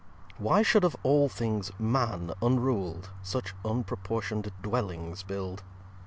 ii Why should of all things Man unrul'd Such unproportion'd dwellings build?